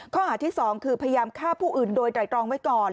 ข้อหาที่๒คือพยายามฆ่าผู้อื่นโดยไตรตรองไว้ก่อน